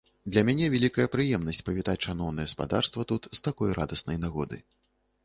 Для мяне вялікая прыемнасць павітаць шаноўнае спадарства тут з такой радаснай нагоды.